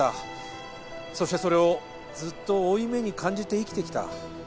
そしてそれをずっと負い目に感じて生きてきた。